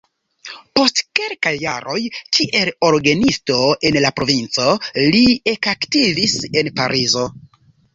Post kelkaj jaroj kiel orgenisto en la provinco li ekaktivis en Parizo.